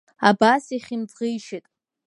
Абас ихьымӡӷишьеит.